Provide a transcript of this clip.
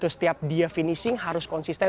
setiap dia finishing harus konsisten